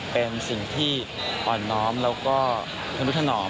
เป็นสิ่งที่อ่อนน้อมแล้วก็ธนุถนอม